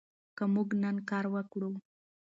که موږ نن کار وکړو.